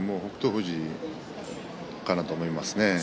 富士かなと思いますね。